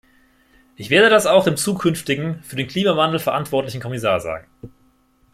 Ich werde das auch dem zukünftigen, für den Klimawandel verantwortlichen Kommissar sagen.